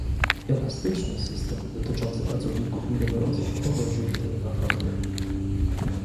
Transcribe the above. Elastyczny system dotyczący pracowników migrujących pogodziłby te dwa fakty